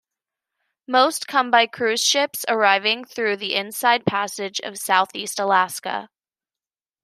Most come by cruise ships arriving through the Inside Passage of Southeast Alaska.